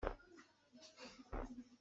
Mi a hro sawsawh mi a si.